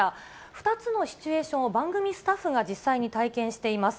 ２つのシチュエーションを番組スタッフが実際に体験しています。